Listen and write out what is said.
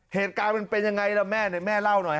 เหตุการณ์มันเป็นยังไงแม่เล่าหน่อย